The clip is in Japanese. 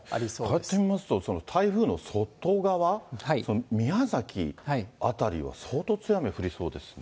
こうやって見ますと、台風の外側、宮崎辺りは相当強い雨降りそうですね。